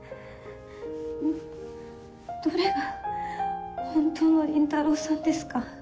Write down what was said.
どれが本当の倫太郎さんですか？